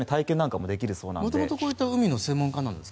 もともと、こういった海の専門家なんですか？